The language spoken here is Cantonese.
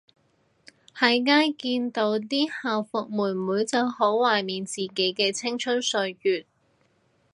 喺街見到啲校服妹妹就好懷緬自己嘅青春歲月